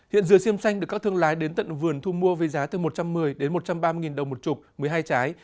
hiện dừa xiêm xanh được các thương lái đến tận vườn thu mua với giá từ một trăm một mươi đến một trăm ba mươi đồng một chục một mươi hai trái